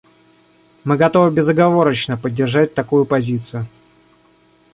Мы готовы безоговорочно поддержать такую позицию.